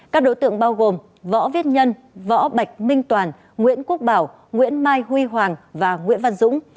các đối tượng bao gồm võ viết nhân võ bạch minh toàn nguyễn quốc bảo nguyễn mai huy hoàng và nguyễn văn dũng